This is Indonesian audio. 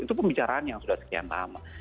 itu pembicaraan yang sudah sekian lama